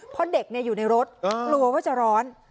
เพราะเด็กอยู่ในรถกลัวว่าจะร้อน